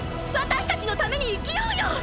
私たちのために生きようよ！！